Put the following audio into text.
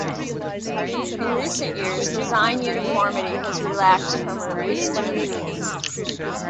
In recent years, design uniformity has relaxed from release to release.